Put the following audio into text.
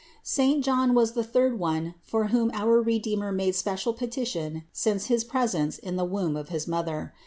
217. Saint John was the third one for whom our Redeemer made special petition since his presence in the womb of his mother.